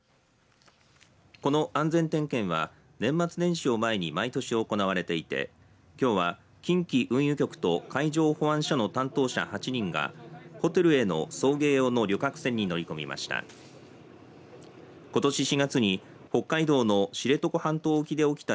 この安全点検は年末年始を前に毎年行われていてきょうは近畿運輸局と海上保安署の担当者８人がホテルへの送迎用の旅客船に乗り込みました。